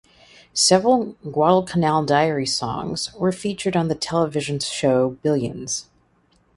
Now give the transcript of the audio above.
Several Guadalcanal Diary songs were featured on the television show Billions.